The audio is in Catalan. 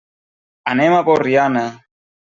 Anem a Borriana.